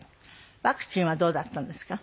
ワクチンはどうだったんですか？